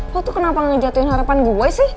waktu tuh kenapa ngejatuhin harapan gue sih